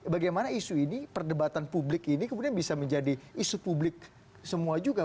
bagaimana isu ini perdebatan publik ini kemudian bisa menjadi isu publik semua juga